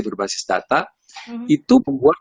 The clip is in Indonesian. berbasis data itu membuat